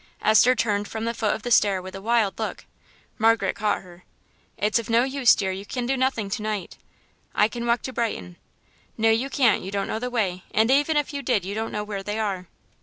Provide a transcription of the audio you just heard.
Esther turned from the foot of the stair with a wild look. Margaret caught her. "It's no use, dear; you can do nothing to night." "I can walk to Brighton." "No, you can't; you don't know the way, and even if you did you don't know where they are."